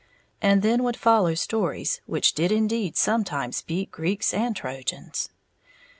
and then would follow stories which did indeed sometimes beat Greeks and Trojans.